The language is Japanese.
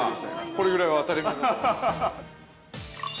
◆これぐらいは当たり前なので。